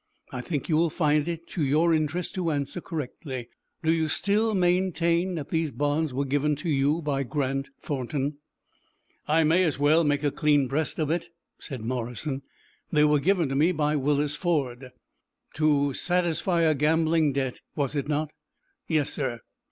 I think you will find it to your interest to answer correctly. Do you still maintain that these bonds were given you by Grant Thornton?" "I may as well make a clean breast of it," said Morrison. "They were given me by Willis Ford." "To satisfy a gambling debt, was it not?" "Yes, sir."